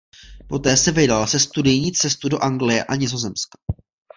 Poté se vydal se studijní cestu do Anglie a Nizozemska.